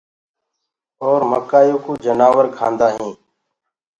اور مڪآئي يو ڪوُ جآنور کآندآ هينٚ۔